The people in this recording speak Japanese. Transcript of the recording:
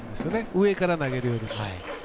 上から投げるより。